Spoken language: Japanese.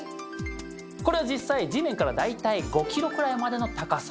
これは実際地面から大体５ｋｍくらいまでの高さ。